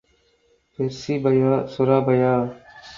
Persebaya Surabaya